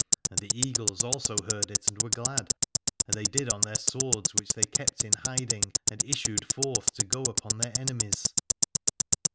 And the Eagles also heard it and were glad, and they did on their swords which they kept in hiding, and issued forth to go upon their enemies.